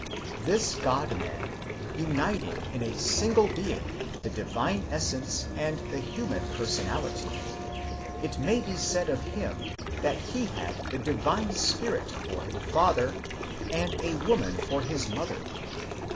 This. God man uniting in a single being the divine essence and the human person ality, it may be said of him that he had the Divine Spirit for a father and a woman for his mother.